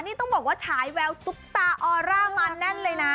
นี่ต้องบอกว่าฉายแววซุปตาออร่ามาแน่นเลยนะ